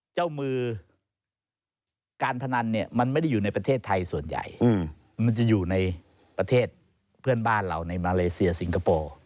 เจ้ามือการพนันเนี่ยมันไม่ได้อยู่ในประเทศไทยส่วนใหญ่มันจะอยู่ในประเทศเพื่อนบ้านเราในมาเลเซียสิงคโปร์